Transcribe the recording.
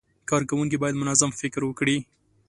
کارکوونکي باید منظم فکر وکړي.